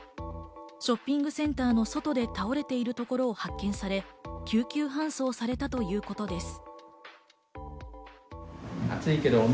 ショッピングセンターの外で倒れているところを発見され、救急搬送されたということです。